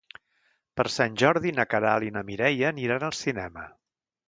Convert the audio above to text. Per Sant Jordi na Queralt i na Mireia aniran al cinema.